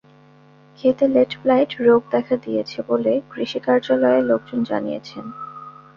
খেতে late blight রোগ দেখা দিয়েছে বলে কৃষি কার্যালয়ের লোকজন জানিয়েছেন।